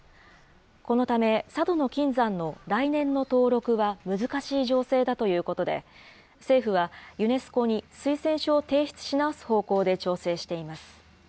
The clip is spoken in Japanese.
このため、佐渡島の金山の来年の登録は難しい情勢だということで、政府はユネスコに推薦書を提出し直す方向で調整しています。